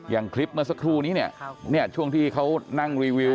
อย่างคลิปเมื่อสักครู่นี้เนี่ยช่วงที่เขานั่งรีวิว